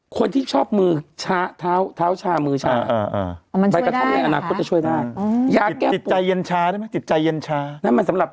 คนที่ชอบมือชาท้าวชามือชา